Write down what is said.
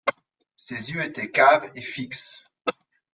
Ses yeux étaient caves et fixes.